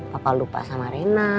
bapak lupa sama rena